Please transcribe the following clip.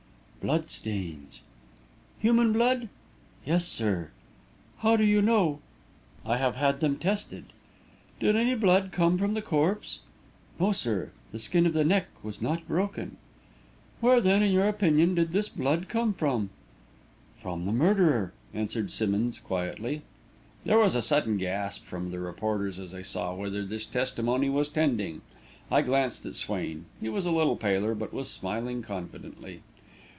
"Blood stains." "Human blood?" "Yes, sir." "How do you know?" "I have had them tested." "Did any blood come from the corpse?" "No, sir; the skin of the neck was not broken." "Where, then, in your opinion, did this blood come from?" "From the murderer," answered Simmonds, quietly. There was a sudden gasp from the reporters, as they saw whither this testimony was tending. I glanced at Swain. He was a little paler, but was smiling confidently.